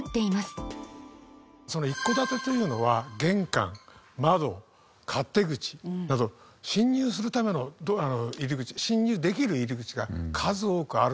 一戸建てというのは玄関窓勝手口など侵入するためのドアの入り口侵入できる入り口が数多くあるという事。